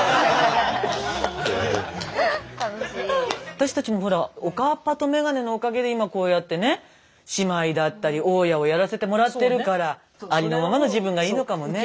私たちもほらおかっぱと眼鏡のおかげで今こうやってね姉妹だったり大家をやらせてもらってるからありのままの自分がいいのかもね。